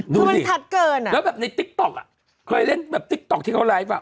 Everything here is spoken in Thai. ดูดิ